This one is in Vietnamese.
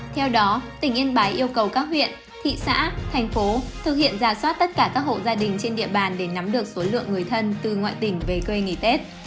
theo đó tỉnh yên bái yêu cầu các huyện thị xã thành phố thực hiện giả soát tất cả các hộ gia đình trên địa bàn để nắm được số lượng người thân từ ngoại tỉnh về quê nghỉ tết